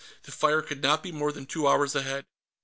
The fire could not be more than two hours ahead.